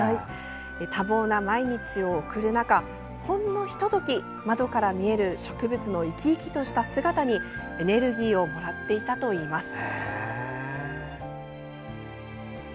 多忙な毎日を送る中ほんのひと時窓から見える植物の生き生きとした姿にエネルギーをもらっていたといいます。